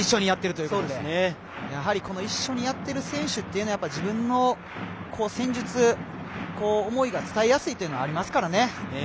やっぱり一緒にやっている選手は自分の戦術、思いが伝えやすいというのはありますからね。